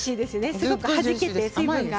すごくはじけて、水分が。